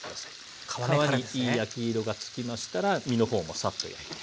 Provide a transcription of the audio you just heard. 皮にいい焼き色がつきましたら身の方もサッと焼いて。